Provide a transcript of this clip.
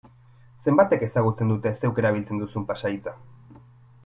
Zenbatek ezagutzen dute zeuk erabiltzen duzun pasahitza?